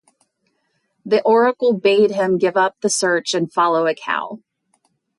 The oracle bade him give up the search and follow a cow.